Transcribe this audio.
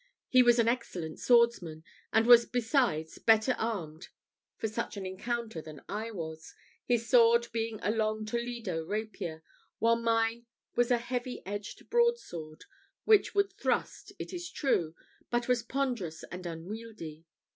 He was an excellent swordsman, and was besides better armed for such an encounter than I was, his sword being a long Toledo rapier, while mine was a heavy edged broadsword, which would thrust, it is true, but was ponderous and unwieldy.